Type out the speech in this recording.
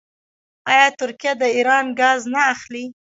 آیا ترکیه د ایران ګاز نه اخلي؟